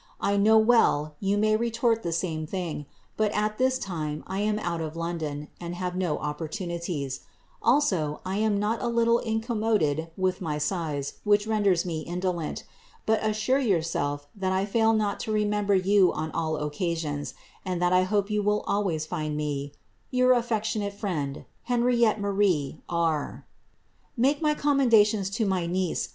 I know well you may retort ilie same tiling; but at this time I am oat of London, and have no opportunities: alM>, I am not a little incommoded with my size, which renders me indolent ; but n»sure yourself that I fail not to re* member you on all occasions, and that I hope you will alwayii find me •* Your atTectionate friend, HiiraiBTTB Mabii, B. ♦* Make my commendations to my tiiV«v.